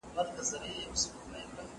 هر مسلک خپل ځانګړی مهارت غواړي.